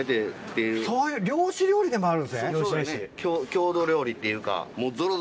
郷土料理っていうか。